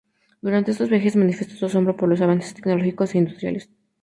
Durante estos viajes, manifestó su asombro por los avances tecnológicos e industriales.